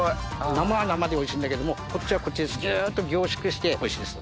生は生でおいしいんだけどもこっちはこっちでギュっと凝縮しておいしいです。